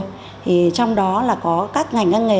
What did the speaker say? thì trong đó là có các ngành các nghề